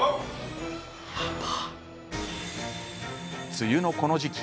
梅雨のこの時期